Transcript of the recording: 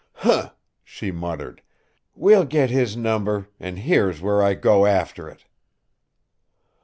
"Huh!" she muttered. "We'll get his number and here's where I go after it."